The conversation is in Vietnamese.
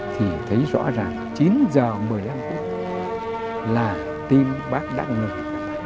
thì thấy rõ ràng chín giờ một mươi năm phút là tim bác đang ngừng